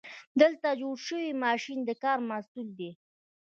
دلته جوړ شوی ماشین د کار محصول دی.